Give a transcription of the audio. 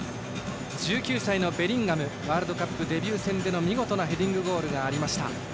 １９歳のベリンガムワールドカップデビュー戦での見事なヘディングゴールがありました。